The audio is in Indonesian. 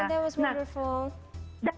oh itu menakjubkan